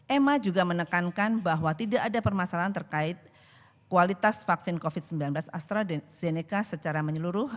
emma juga menekankan bahwa tidak ada permasalahan terkait kualitas vaksin covid sembilan belas astrazeneca secara menyeluruh